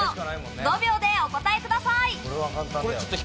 ５秒でお答えください。